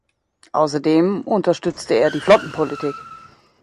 Außerdem unterstützte er die Flottenpolitik.